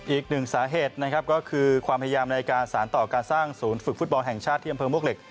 อีกหนึ่งสาเหตุนะครับก็คือความพยายามในการสารต่อการสร้างศูนย์ฝึกฟุตบอลแห่งชาติที่อำเภอมวกเหล็ก